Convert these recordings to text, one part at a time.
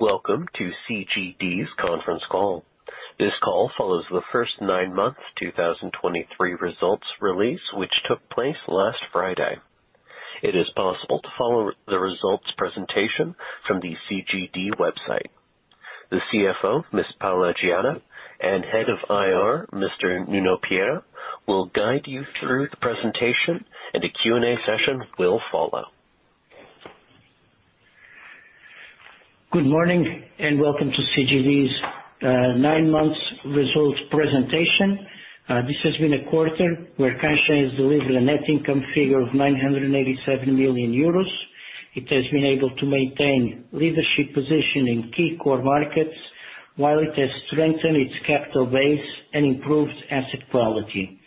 Welcome to CGD's conference call. This call follows the first nine months, 2023 results release, which took place last Friday. It is possible to follow the results presentation from the CGD website. The CFO, Miss Paula Geada, and Head of IR, Mr. Nuno Pereira, will guide you through the presentation, and a Q&A session will follow. Good morning, and welcome to CGD's nine months results presentation. This has been a quarter where Caixa has delivered a net income figure of 987 million euros. It has been able to maintain leadership position in key core markets, while it has strengthened its capital base and improved asset quality.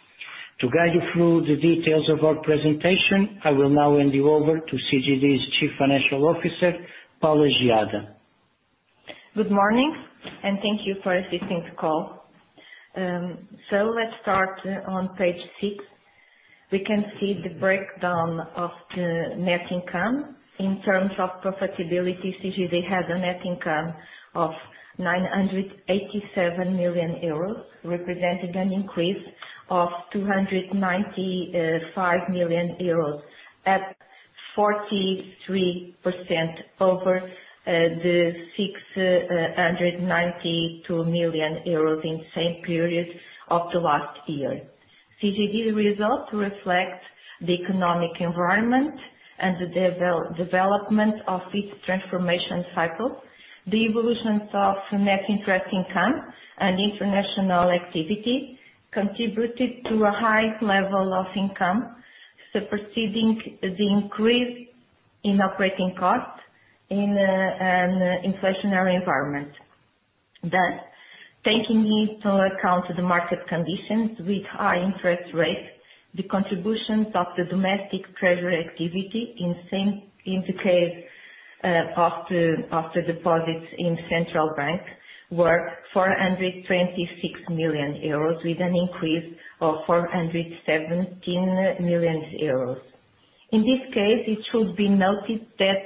To guide you through the details of our presentation, I will now hand you over to CGD's Chief Financial Officer, Paula Geada. Good morning, and thank you for assisting the call. Let's start on page six. We can see the breakdown of the net income. In terms of profitability, CGD has a net income of 987 million euros, representing an increase of 295 million euros at 43% over the 692 million euros in the same period of the last year. CGD's results reflect the economic environment and the development of its transformation cycle. The evolution of net interest income and international activity contributed to a high level of income, superseding the increase in operating costs in inflationary environment. Then, taking into account the market conditions with high interest rates, the contributions of the domestic treasury activity in same, in the case, of the deposits in central bank were 426 million euros with an increase of 417 million euros. In this case, it should be noted that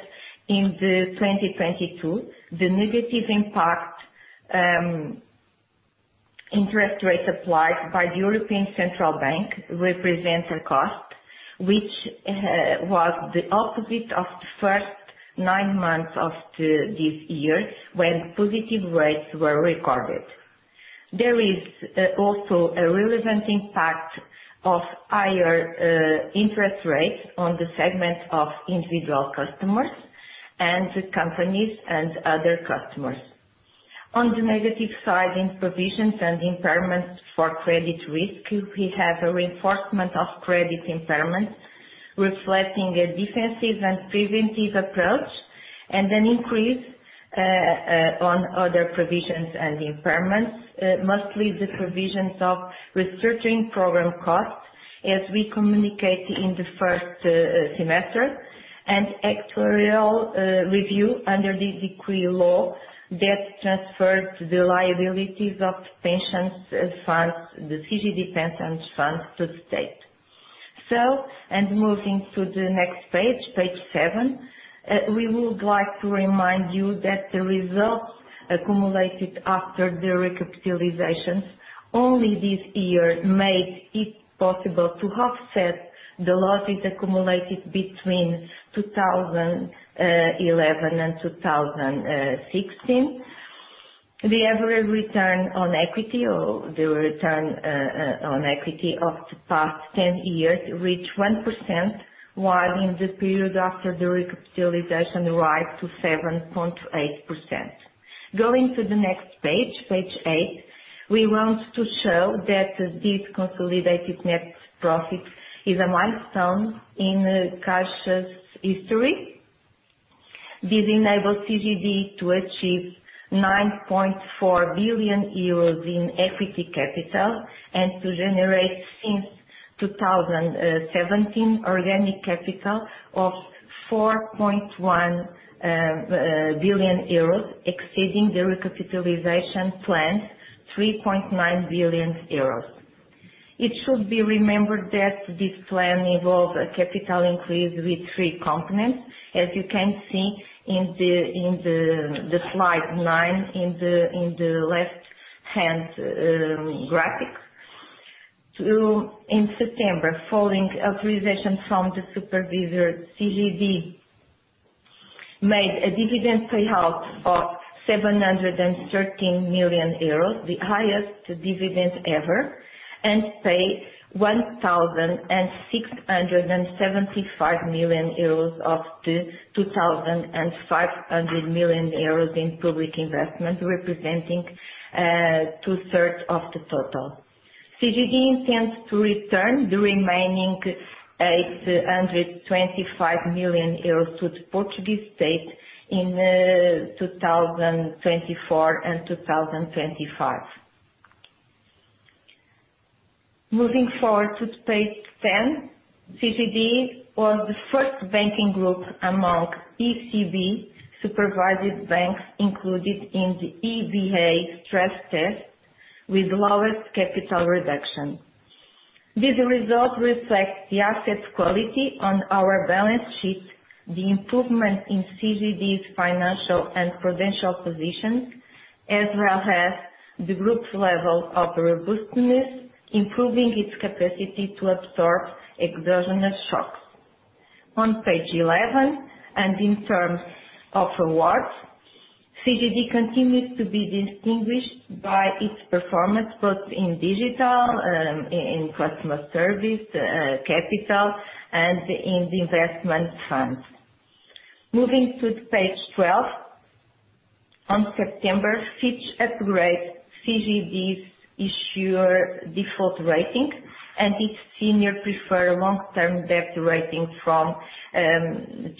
in 2022, the negative impact interest rate applied by the European Central Bank represents a cost which was the opposite of the first nine months of this year, when positive rates were recorded. There is also a relevant impact of higher interest rates on the segment of individual customers and companies and other customers. On the negative side, in provisions and impairments for credit risk, we have a reinforcement of credit impairments, reflecting a defensive and preventive approach, and an increase on other provisions and impairments, mostly the provisions of restructuring program costs, as we communicate in the first semester, and actuarial review under the decree law that transferred the liabilities of pensions funds, the CGD pension funds, to the state. Moving to the next page, page 7. We would like to remind you that the results accumulated after the recapitalizations only this year made it possible to offset the losses accumulated between 2011 and 2016. The average return on equity or the return on equity of the past 10 years reached 1%, while in the period after the recapitalization rose to 7.8%. Going to the next page, page 8, we want to show that this consolidated net profit is a milestone in Caixa's history. This enabled CGD to achieve 9.4 billion euros in equity capital and to generate, since 2017, organic capital of 4.1 billion euros, exceeding the recapitalization plan, 3.9 billion euros. It should be remembered that this plan involves a capital increase with three components, as you can see in the slide 9, in the left-hand graphic. In September, following authorization from the supervisor, CGD made a dividend payout of 713 million euros, the highest dividend ever, and paid 1,675 million of the 2,500 million euros in public investment, representing two-thirds of the total. CGD intends to return the remaining 825 million euros to the Portuguese state in 2024 and 2025. Moving forward to page 10. CGD was the first banking group among ECB-supervised banks included in the EBA stress test with lowest capital reduction. These results reflect the asset quality on our balance sheet, the improvement in CGD's financial and prudential positions, as the group's level of robustness, improving its capacity to absorb exogenous shocks. On page 11, in terms of awards, CGD continues to be distinguished by its performance, both in digital, in customer service, capital, and in the investment funds. Moving to page 12. On September, Fitch upgrades CGD's issuer default rating and its senior preferred long-term debt rating from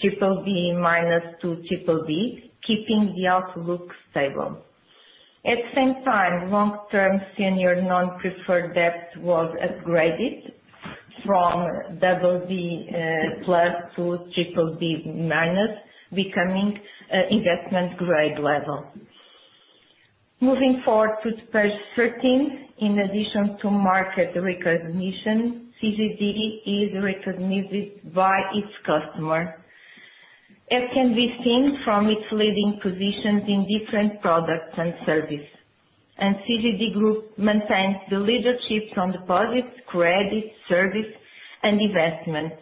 triple B minus to triple B, keeping the outlook stable. At the same time, long-term senior non-preferred debt was upgraded from double B plus to triple B minus, becoming investment grade level. Moving forward to page 13. In addition to market recognition, CGD is recognized by its customer, as can be seen from its leading positions in different products and services. CGD Group maintains the leadership from deposits, credit, service, and investment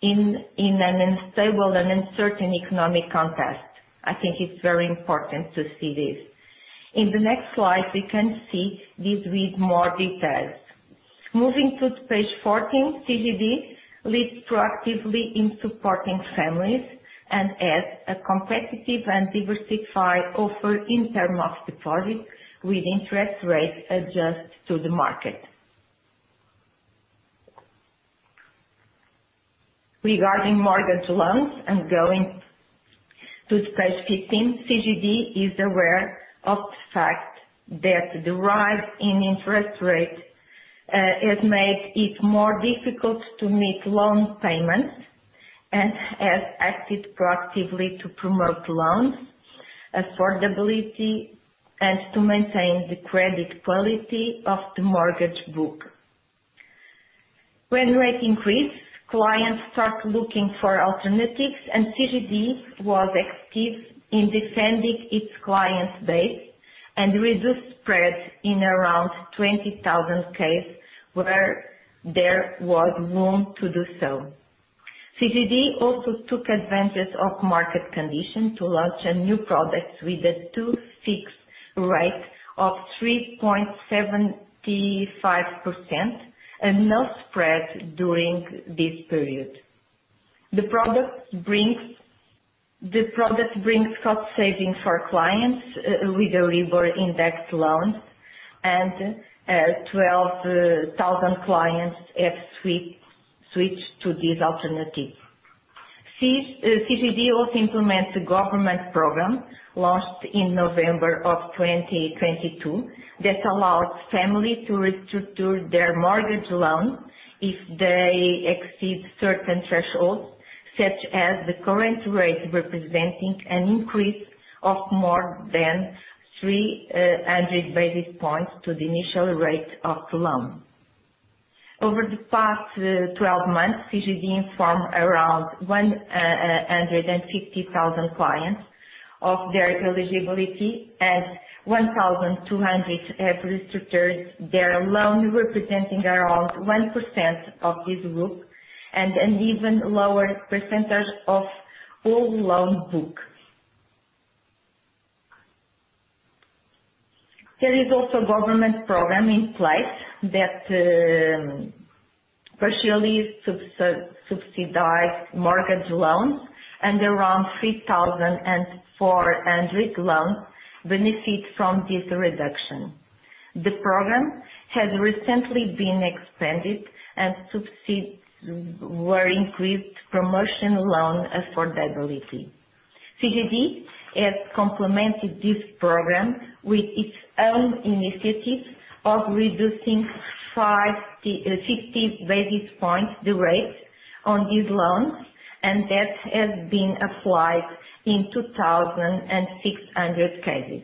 in an unstable and uncertain economic context. I think it's very important to see this. In the next slide, we can see this with more details. Moving to page 14, CGD leads proactively in supporting families and has a competitive and diversified offer in term of deposits, with interest rates adjusted to the market. Regarding mortgage loans and going to page 15, CGD is aware of the fact that the rise in interest rates has made it more difficult to meet loan payments, and has acted proactively to promote loans affordability, and to maintain the credit quality of the mortgage book. When rates increase, clients start looking for alternatives, and CGD was active in defending its client base and reduced spread in around 20,000 cases where there was room to do so. CGD also took advantage of market conditions to launch a new product with a 2-year fixed rate of 3.75% and no spread during this period. The product brings cost savings for clients with an Euribor index loan and 12,000 clients have switched to this alternative. CG, CGD also implements a government program launched in November of 2022, that allows families to restructure their mortgage loans if they exceed certain thresholds, such as the current rate, representing an increase of more than 300 basis points to the initial rate of the loan. Over the past 12 months, CGD informed around 150,000 clients of their eligibility, and 1,200 have restructured their loan, representing around 1% of this group, and an even lower percentage of all loan book. There is also a government program in place that partially subsidize mortgage loans, and around 3,400 loans benefit from this reduction. The program has recently been expanded and subsidies were increased promotion loan affordability. CGD has complemented this program with its own initiatives of reducing 50 basis points, the rates on these loans, and that has been applied in 2,600 cases.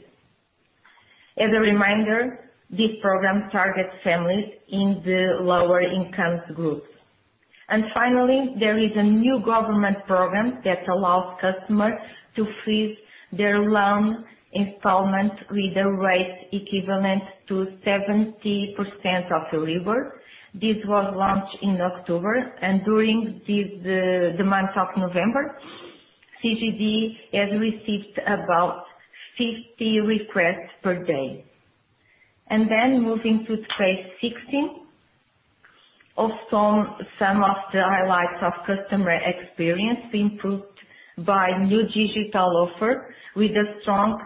As a reminder, this program targets families in the lower income groups. Finally, there is a new government program that allows customers to freeze their loan installments with a rate equivalent to 70% of the Euribor. This was launched in October, and during the month of November, CGD has received about 50 requests per day. Then moving to page 16. Also, some of the highlights of customer experience improved by new digital offer, with a strong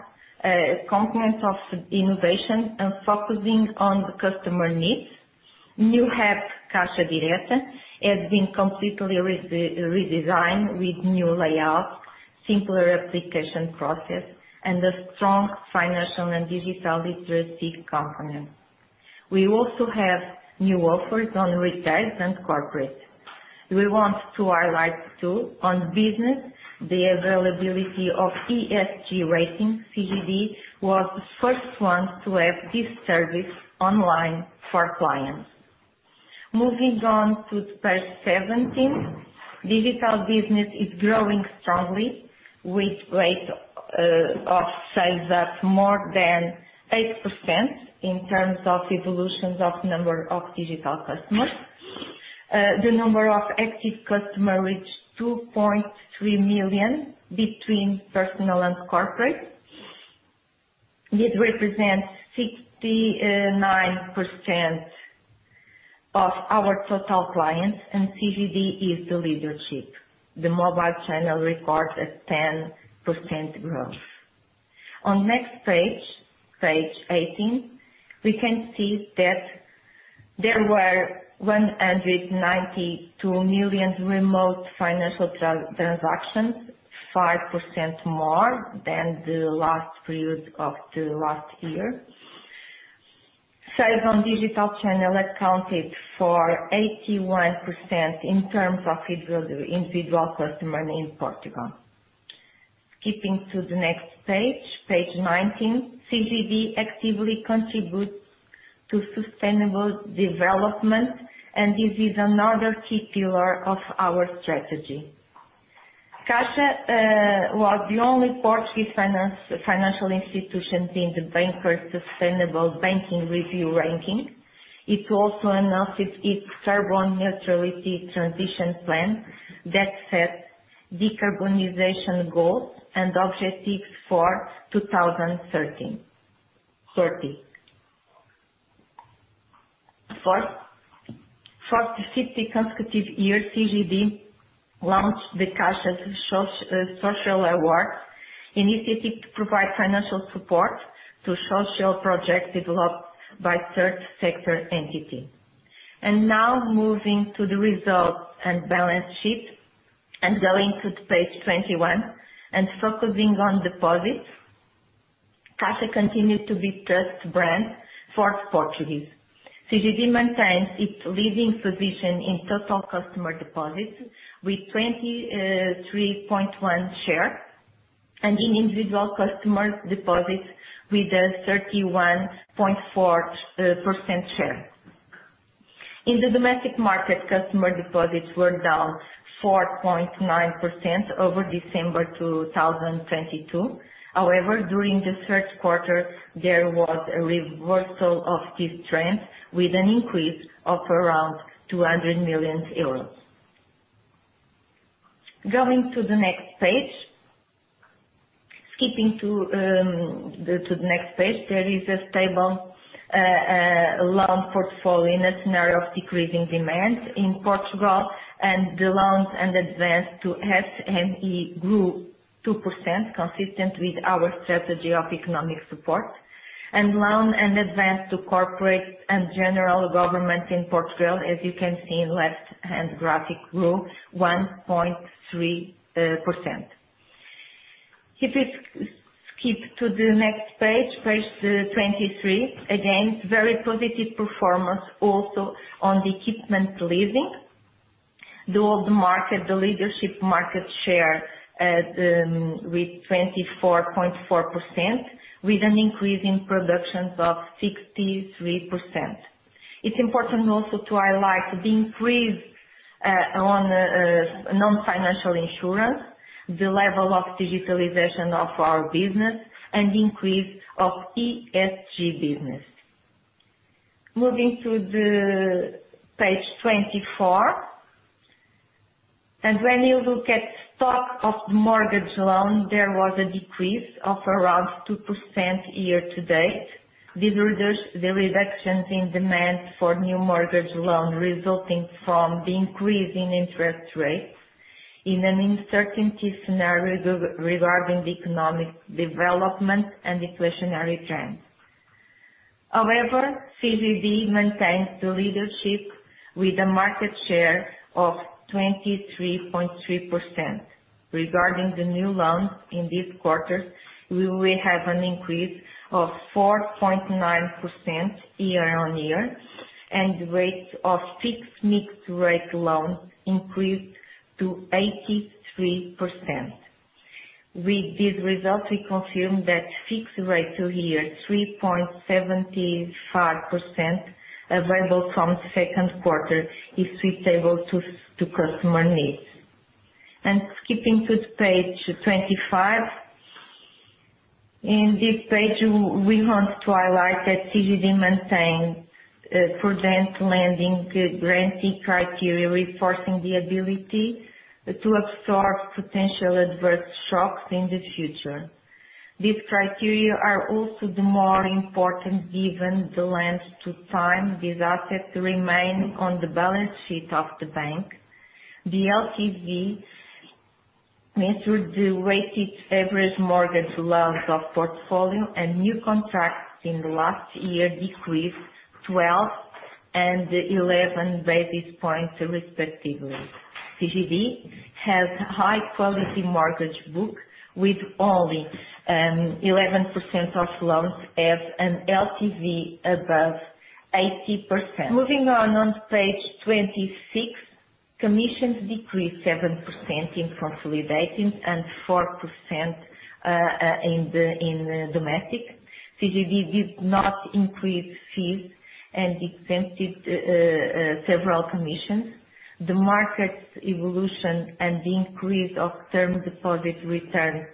component of innovation and focusing on the customer needs. New app, Caixa Direta, has been completely redesigned with new layout, simpler application process, and a strong financial and digital literacy component. We also have new offers on retail and corporate. We want to highlight too, on business, the availability of ESG rating. CGD was the first one to have this service online for clients. Moving on to page 17, digital business is growing strongly with rate of sales up more than 8% in terms of evolutions of number of digital customers. The number of active customer reached 2.3 million between personal and corporate. It represents 69% of our total clients, and CGD is the leadership. The mobile channel records a 10% growth. On next page, page 18, we can see that there were 192 million remote financial transactions, 5% more than the last period of the last year. Sales on digital channel accounted for 81% in terms of individual, individual customer in Portugal. Skipping to the next page, page 19, CGD actively contributes to sustainable development, and this is another key pillar of our strategy. Caixa was the only Portuguese financial institution in the Bankers Sustainable Banking Review ranking. It also announced its carbon neutrality transition plan that set decarbonization goals and objectives for 2030. For the 50 consecutive years, CGD launched the Caixa Social Award initiative to provide financial support to social projects developed by third sector entity. Now moving to the results and balance sheet, and going to page 21 and focusing on deposits. Caixa continues to be trust brand for Portuguese. CGD maintains its leading position in total customer deposits with 23.1 share, and in individual customers deposits with a 31.4% share. In the domestic market, customer deposits were down 4.9% over December 2022. However, during the Q3, there was a reversal of this trend with an increase of around 200 million euros. Going to the next page. Skipping to the next page, there is a stable loan portfolio in a scenario of decreasing demand in Portugal, and the loans and advance to SME grew 2%, consistent with our strategy of economic support. And loan and advance to corporate and general government in Portugal, as you can see in left-hand graphic, grew 1.3%. If you skip to the next page, page 23, again, very positive performance also on the equipment leasing. Though the market, the leadership market share with 24.4%, with an increase in productions of 63%. It's important also to highlight the increase, on, non-financial insurance, the level of digitalization of our business and increase of ESG business. Moving to page 24, and when you look at stock of mortgage loan, there was a decrease of around 2% year-to-date. This reduce the reductions in demand for new mortgage loan, resulting from the increase in interest rates in an uncertainty scenario regarding the economic development and inflationary trends. However, CGD maintains the leadership with a market share of 23.3%. Regarding the new loans in this quarter, we will have an increase of 4.9% year-on-year, and rate of fixed mixed rate loans increased to 83%. With this result, we confirm that fixed rate two-year 3.75%, available from Q2, is suitable to customer needs. And skipping to page 25. In this page, we want to highlight that CGD maintain prudent lending granularity criteria, reinforcing the ability to absorb potential adverse shocks in the future. These criteria are also the more important, given the length of time these assets remain on the balance sheet of the bank. The LTV measured the weighted average mortgage loans of portfolio and new contracts in the last year decreased 12 and 11 basis points, respectively. CGD has high quality mortgage book with only 11% of loans as an LTV above 80%. Moving on, on page 26, commissions decreased 7% in consolidating and 4% in the domestic. CGD did not increase fees and exempted several commissions. The market evolution and the increase of term deposit returns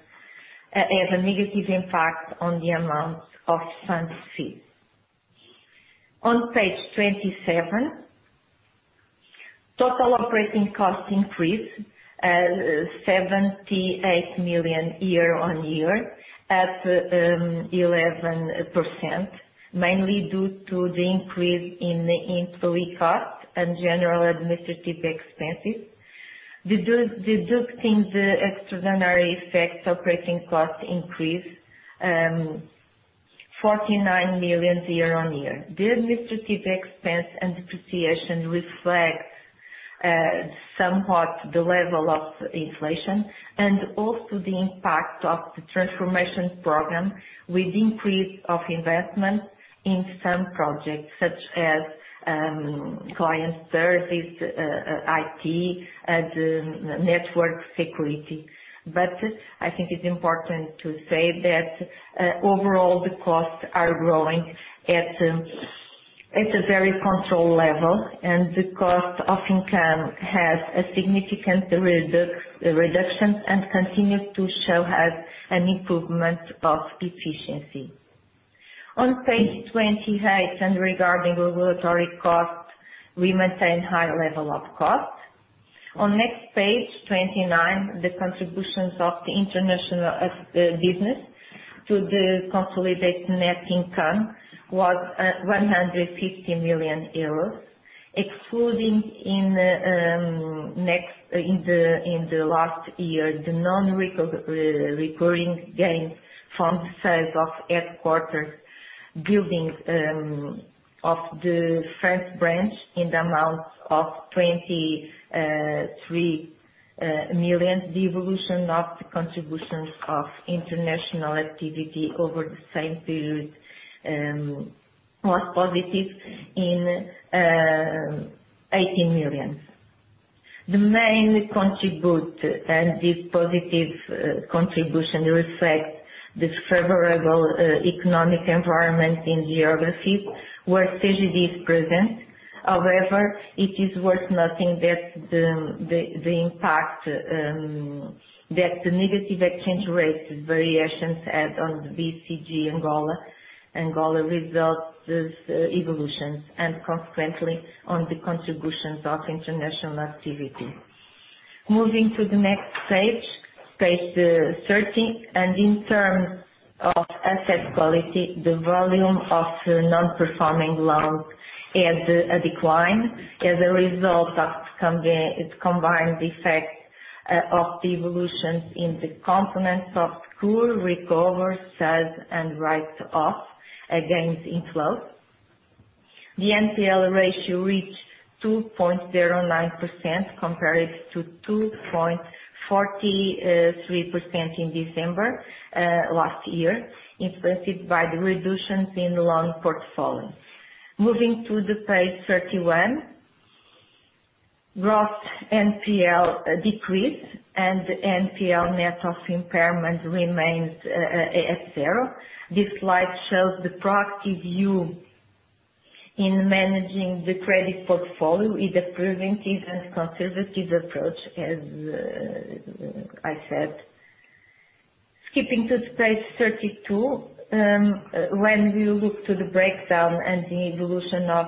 have a negative impact on the amount of fund fees. On page 27, total operating costs increased seventy-eight million year on year at eleven percent, mainly due to the increase in the employee costs and general administrative expenses. Deducting the extraordinary effects, operating costs increased forty-nine million year on year. The administrative expense and depreciation reflects somewhat the level of inflation and also the impact of the transformation program, with increase of investment in some projects such as client services, IT, network security. But I think it's important to say that overall, the costs are growing at a very controlled level, and the cost of income has a significant reduction and continues to show us an improvement of efficiency. On page 28, regarding regulatory costs, we maintain high level of cost. On next page, 29, the contributions of the international business to the consolidated net income was 150 million euros, excluding, in the last year, the non-recurring gains from the sale of headquarters buildings of the first branch in the amount of 23 million. The evolution of the contributions of international activity over the same period was positive in 18 million. And this positive contribution reflects the favorable economic environment in geographies where CGD is present. However, it is worth noting that the impact that the negative exchange rate variations had on the BCG Angola results is evolutions, and consequently on the contributions of international activity. Moving to the next page, page 13. In terms of asset quality, the volume of non-performing loans had a decline as a result of its combined effect of the evolutions in the components of pool recovery, sales, and write-offs against inflows. The NPL ratio reached 2.09%, compared to 2.43% in December last year, influenced by the reductions in the loan portfolio. Moving to page 31, gross NPL decreased, and NPL net of impairment remains at zero. This slide shows the proxy view in managing the credit portfolio with a preventive and conservative approach, as I said. Skipping to page 32, when we look to the breakdown and the evolution of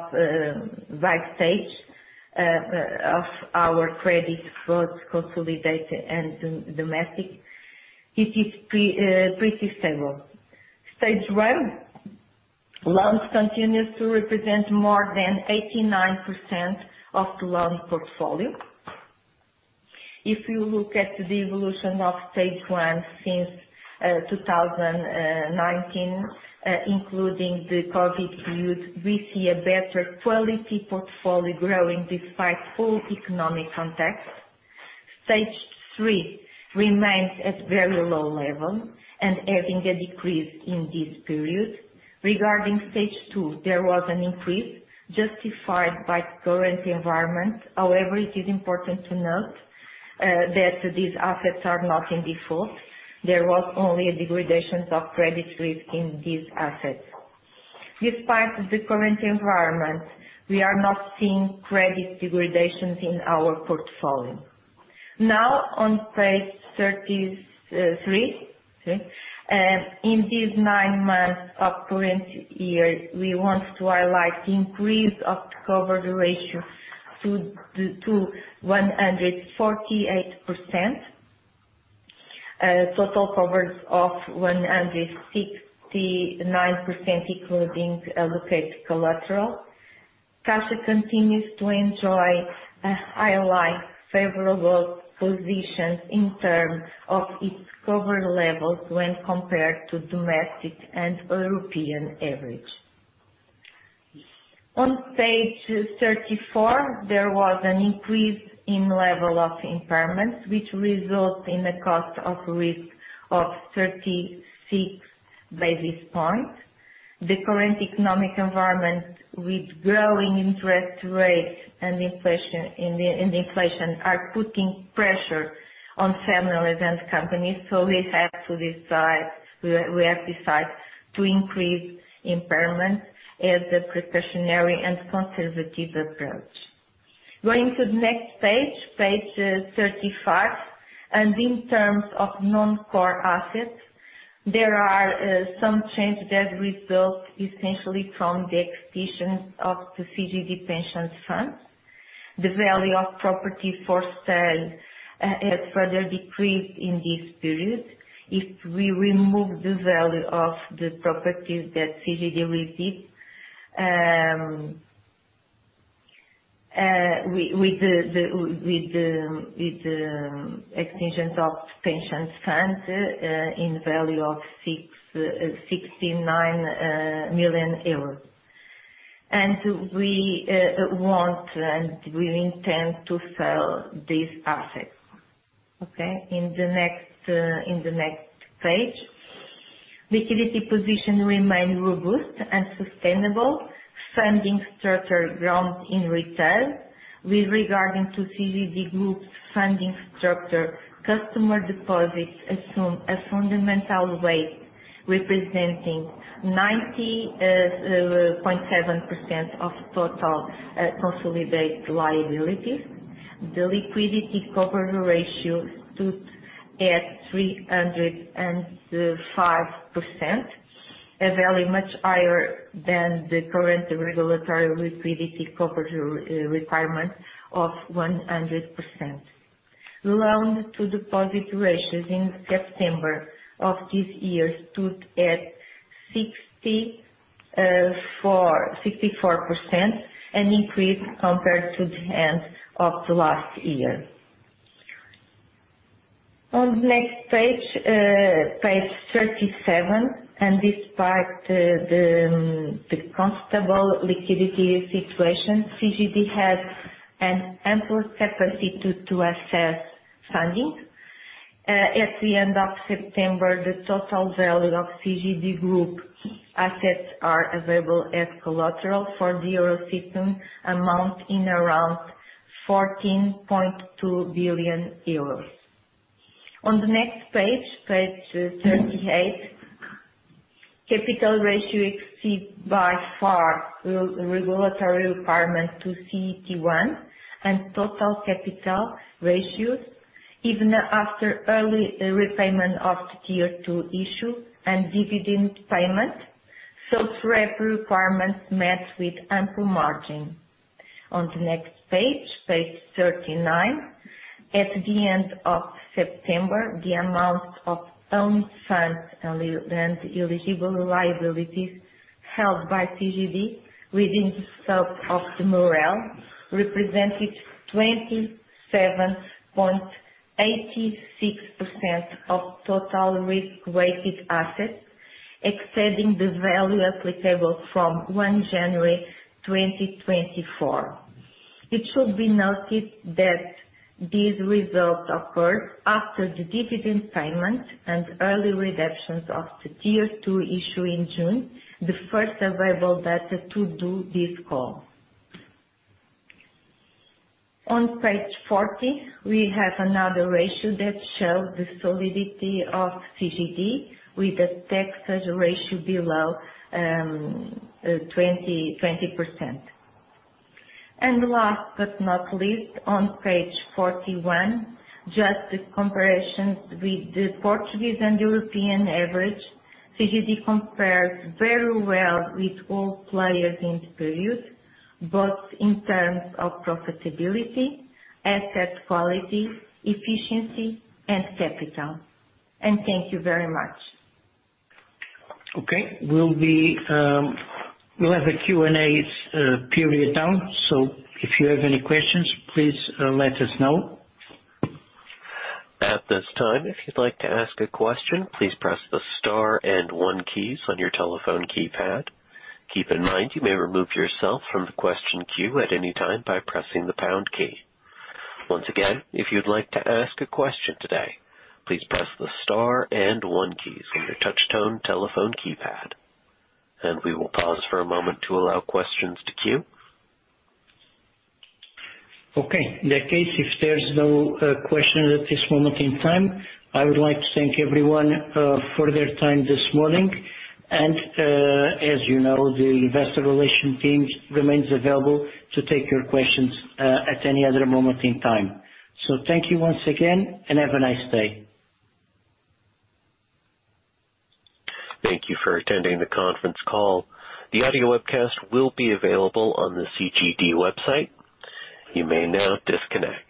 risk stages of our credit for consolidated and domestic, it is pretty stable. Stage 1 loans continues to represent more than 89% of the loan portfolio. If you look at the evolution of Stage 1 since 2019, including the COVID period, we see a better quality portfolio growing despite full economic context. Stage 3 remains at very low level and having a decrease in this period. Regarding Stage 2, there was an increase justified by current environment. However, it is important to note that these assets are not in default. There was only a degradation of credit risk in these assets. Despite the current environment, we are not seeing credit degradations in our portfolio. Now, on page 33, in these 9 months of current year, we want to highlight the increase of cover ratio to 148%. Total coverage of 169%, including allocated collateral. Caixa continues to enjoy a highly favorable positions in terms of its cover levels when compared to domestic and European average. On page 34, there was an increase in level of impairments, which result in a cost of risk of 36 basis points. The current economic environment with growing interest rates and inflation, and inflation are putting pressure on families and companies, so we have decided to increase impairment as a precautionary and conservative approach. Going to the next page, page 35, and in terms of non-core assets, there are some changes that result essentially from the acquisition of the CGD Pensions Fund. The value of property for sale has further decreased in this period. If we remove the value of the properties that CGD received, with the extension of pensions fund, in value of 69 million euros. And we want and we intend to sell these assets, okay? In the next page. Liquidity position remain robust and sustainable, funding structure growth in retail. With regard to CGD Group's funding structure, customer deposits assume a fundamental way, representing 90.7% of total consolidated liabilities. The liquidity coverage ratio stood at 305%, a value much higher than the current regulatory liquidity coverage requirement of 100%. Loan-to-deposit ratios in September of this year stood at 64%, an increase compared to the end of the last year. On the next page, page 37, and despite the comfortable liquidity situation, CGD has an ample capacity to assess funding. At the end of September, the total value of CGD Group assets are available as collateral for the Eurosystem, amount in around 14.2 billion euros. On the next page, page 38, capital ratio exceed by far re-regulatory requirement to CET1 and total capital ratios, even after early repayment of the Tier 2 issue and dividend payment. So for every requirement, met with ample margin. On the next page, page 39, at the end of September, the amount of own funds and eligible liabilities held by CGD within the scope of the MREL, represented 27.86% of total risk-weighted assets, exceeding the value applicable from 1 January 2024. It should be noted that these results occurred after the dividend payment and early redemptions of the Tier 2 issue in June, the first available data to do this call. On page 40, we have another ratio that shows the solidity of CGD with the Texas Ratio below 20%. And last but not least, on page 41, just the comparisons with the Portuguese and European average, CGD compares very well with all players in the period, both in terms of profitability, asset quality, efficiency, and capital. And thank you very much. Okay. We'll be, we'll have a Q&A period now, so if you have any questions, please let us know. At this time, if you'd like to ask a question, please press the star and one keys on your telephone keypad. Keep in mind, you may remove yourself from the question queue at any time by pressing the pound key. Once again, if you'd like to ask a question today, please press the star and one keys on your touchtone telephone keypad. And we will pause for a moment to allow questions to queue. Okay. In that case, if there's no questions at this moment in time, I would like to thank everyone for their time this morning. As you know, the Investor Relations team remains available to take your questions at any other moment in time. Thank you once again, and have a nice day. Thank you for attending the conference call. The audio webcast will be available on the CGD website. You may now disconnect.